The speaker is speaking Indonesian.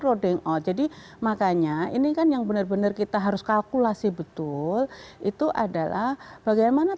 loading oh jadi makanya ini kan yang bener bener kita harus kalkulasi betul itu adalah bagaimana